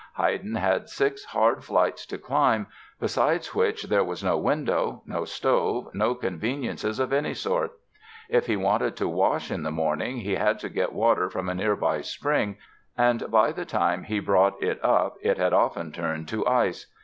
Haydn had six hard flights to climb, besides which there was no window, no stove, no conveniences of any sort. If he wanted to wash in the morning he had to get water from a nearby spring and by the time he brought it up it had often turned to ice.